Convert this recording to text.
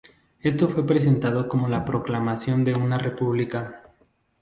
Esto fue presentado como la proclamación de una república.